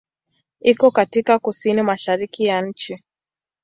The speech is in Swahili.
Iko katika kusini-mashariki ya nchi.